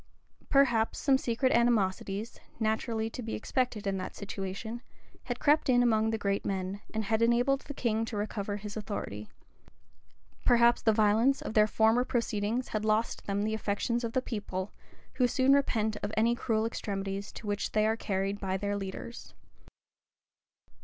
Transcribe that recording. Perhaps some secret animosities, naturally to be expected in that situation, had crept in among the great men, and had enabled the king to recover his authority. Perhaps the violence of their former proceedings had lost them the affections of the people, who soon repent of any cruel extremities to which they are carried by their leaders.